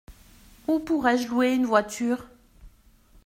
Où pourrais-je louer une voiture ?